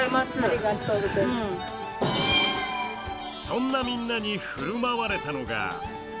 そんなみんなに振る舞われたのが。